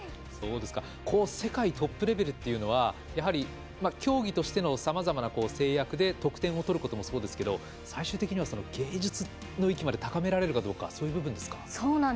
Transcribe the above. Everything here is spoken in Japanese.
世界のトップレベルというのはやはり、競技としてのさまざまな制約で得点を取ることもそうですけど最終的には芸術の域まで高められるかどうかそういう部分ですか。